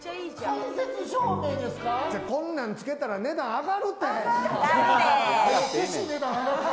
こんなんつけたら値段上がるって。